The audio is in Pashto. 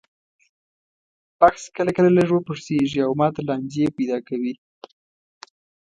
بکس کله کله لږ وپړسېږي او ماته لانجې پیدا کوي.